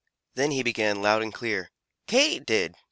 Then he began loud and clear, "Katy did!